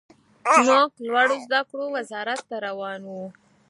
موږ لوړو زده کړو وزارت ته روان وو.